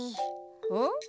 うん？